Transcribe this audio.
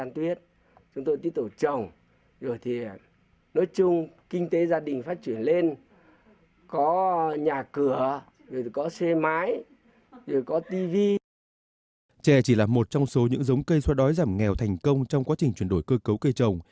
chè chỉ là một trong số những giống cây xoa đói giảm nghèo thành công trong quá trình chuyển đổi cơ cấu cây trồng